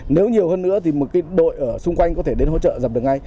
nếu nhiều hơn nữa thì một cái đội ở xung quanh có thể đến hỗ trợ giảm được ngay